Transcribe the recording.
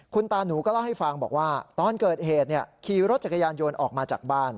คุณตาหนูก็เล่าให้ฟังบอกว่าตอนเกิดเหตุขี่รถจักรยานยนต์ออกมาจากบ้าน